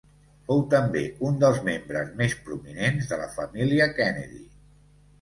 Fou també, un dels membres més prominents de la família Kennedy.